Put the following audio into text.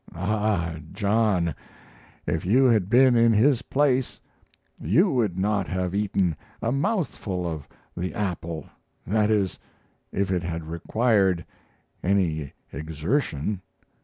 Ah, John, if you had been in his place you would not have eaten a mouthful of the apple that is, if it had required any exertion.